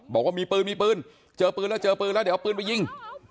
บอกว่ามีปืนมีปืนเจอปืนแล้วเจอปืนแล้วเดี๋ยวเอาปืนไปยิง